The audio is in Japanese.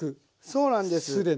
そうなんです。